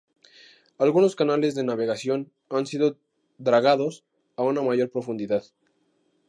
Algunos canales de navegación han sido dragados a una mayor profundidad.